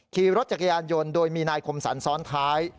ขี่รถจักรยานยนต์โดยมีนายคมสรรซ้อนท้าย